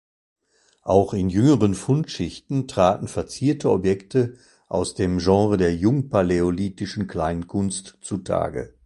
Auch in jüngeren Fundschichten traten verzierte Objekte aus dem Genre der jungpaläolithischen Kleinkunst zutage.